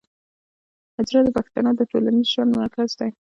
حجره د پښتنو د ټولنیز ژوند مرکز دی.